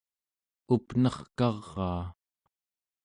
up'nerkaraa